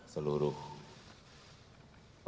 seluruh keluarga yang tinggal di papua